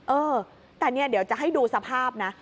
เออแต่เนี่ยเดี๋ยวจะให้ดูสภาพนะ